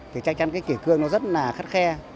thì chắc chắn cái kỷ cương nó rất là khắt khe